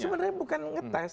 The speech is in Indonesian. sebenarnya bukan ngetes